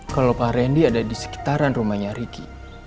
kalau pak randy ada di sekitaran rumahnya ricky